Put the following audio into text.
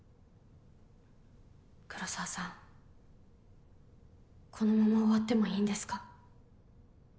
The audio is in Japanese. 黒澤さんこのまま終わってもいいんですか。